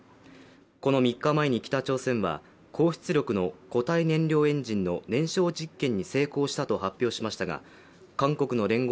この３日前に北朝鮮は高出力の固体燃料エンジンの燃焼実験に成功したと発表しましたが韓国の聯合